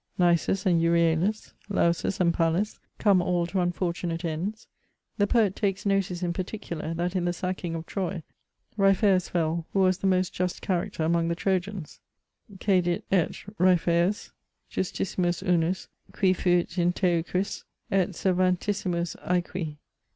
Nisus and Euryalus, Lausus and Pallas, come all to unfortunate ends. The poet takes notice in particular, that in the sacking of Troy, Ripheus fell, who was the most just character among the Trojans: ' Cadit & Ripheus, justissimus unus Qui fuit in Teucris, & servantissimus æqui.